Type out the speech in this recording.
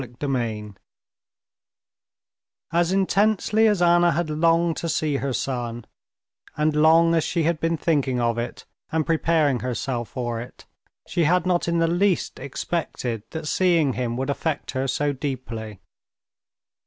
Chapter 31 As intensely as Anna had longed to see her son, and long as she had been thinking of it and preparing herself for it, she had not in the least expected that seeing him would affect her so deeply.